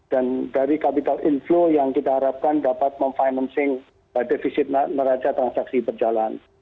dan dari capital inflow yang kita harapkan dapat memfinancing defisit raca transaksi berjalan